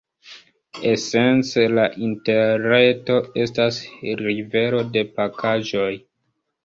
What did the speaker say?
Esence la Interreto estas rivero de pakaĵoj.